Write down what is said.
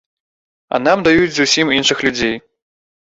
А нам даюць зусім іншых людзей.